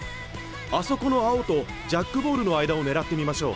あそこの青とジャックボールの間を狙ってみましょう。